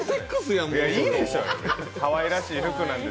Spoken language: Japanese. かわいらしいルックなんです。